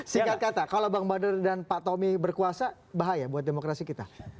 singkat kata kalau bang badar dan pak tommy berkuasa bahaya buat demokrasi kita